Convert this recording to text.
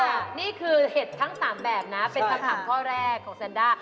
แซม่านี่คือเห็ดทั้ง๓แบบนะเป็นสำหรับข้อแรกของแซม่า